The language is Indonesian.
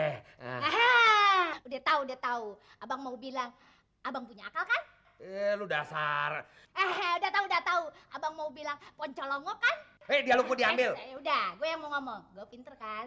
hah udah tau udah tau abang mau bilang abang punya akal kan